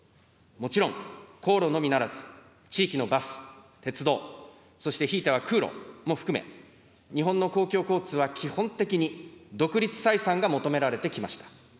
もちろん、航路のみならず、地域のバス、鉄道、そしてひいては空路も含め、日本の公共交通は基本的に独立採算が求められてきました。